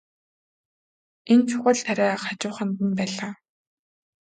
Энэ чухал тариа хажууханд нь байлаа.